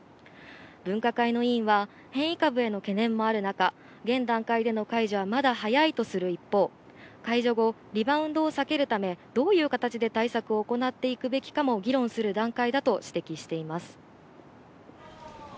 分科会の委員は変異株への懸念もある中、現段階での解除はまだ早いとする一方、解除後、リバウンドを避けるため、どういう形で対策を行っていくべきかも議論する段階だと指摘しています。